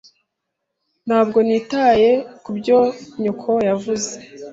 Ntabwo nitaye kubyo nyoko yavuze.